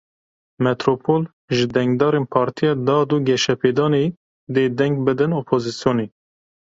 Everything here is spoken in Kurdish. Metropol ji dengderên Partiya Dad û Geşepêdanê dê deng bidin opozisyonê.